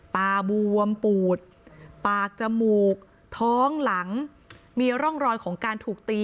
ตาบวมปูดปากจมูกท้องหลังมีร่องรอยของการถูกตี